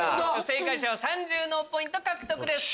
正解者は３０脳ポイント獲得です。